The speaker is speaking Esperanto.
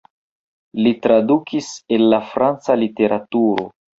Li tradukis el franca literaturo.